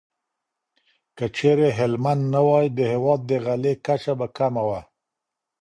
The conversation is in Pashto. که چيرې هلمند نه وای، د هېواد د غلې کچه به کمه وه.